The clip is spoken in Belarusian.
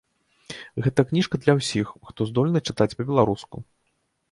Гэта кніжка для ўсіх, хто здольны чытаць па-беларуску.